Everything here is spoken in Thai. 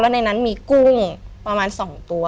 ในนั้นมีกุ้งประมาณ๒ตัว